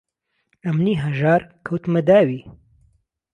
ئهمنی ههژار کهوتمه داوی